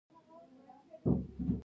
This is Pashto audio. د دې ستونزې له امله بښنه غواړم.